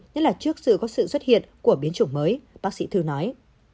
nhất là trước sự có sự xuất hiện của biến chủng mới bác sĩ thư nói